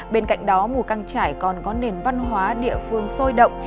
bên cạnh đó mù căng trải còn có nền văn hóa địa phương sôi động